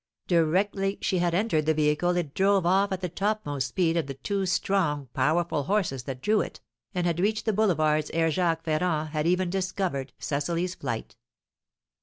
Directly she had entered the vehicle it drove off at the topmost speed of the two strong, powerful horses that drew it, and had reached the Boulevards ere Jacques Ferrand had even discovered Cecily's flight.